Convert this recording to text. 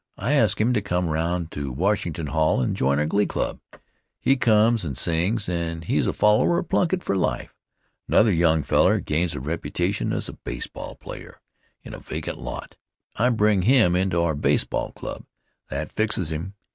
I ask him to come around to Washington Hall and join our Glee Club. He comes and sings, and he's a follower of Plunkitt for life. Another young feller gains a reputation as a baseball player in a vacant lot. I bring him into our baseball dub. That fixes him.